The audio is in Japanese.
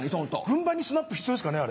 軍配にスナップ必要ですかね？